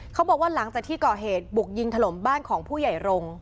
เขาบอกว่าหลังจากที่ก่อเหตุบุกยิงถล่มบ้านของผู้ใหญ่รงค์